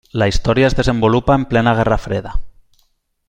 La història es desenvolupa en plena guerra freda.